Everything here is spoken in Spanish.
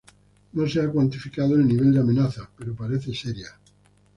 No se ha cuantificado el nivel de amenaza pero parece seria.